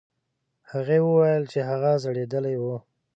هغې وویل چې هغه ژړېدلی و.